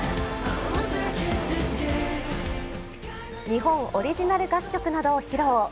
日本オリジナル楽曲などを披露。